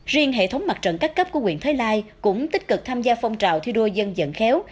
riêng hệ thống mặt trận các cấp của quyền thái lai cũng tích cực tham gia phong trào thi đua dân dân khéo